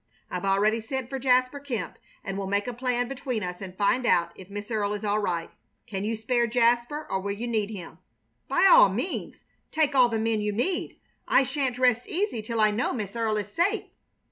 I've already sent for Jasper Kemp, and we'll make a plan between us and find out if Miss Earle is all right. Can you spare Jasper or will you need him?" "By all means! Take all the men you need. I sha'n't rest easy till I know Miss Earle is safe."